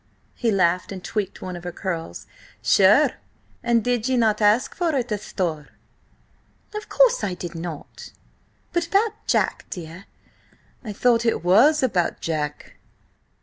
He laughed, and tweaked one of her curls. "Sure, and did ye not ask for it, asthore?" "Of course I did not. But about Jack, dear—" "I thought it was about Jack?"